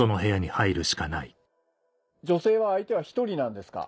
女性は相手は１人なんですか？